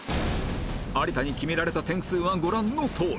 有田に決められた点数はご覧のとおり